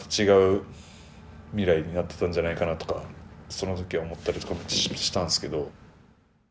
その時は思ったりとかもしたんすけど。